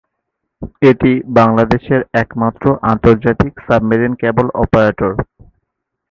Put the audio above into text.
এটি বাংলাদেশের একমাত্র আন্তর্জাতিক সাবমেরিন ক্যাবল অপারেটর।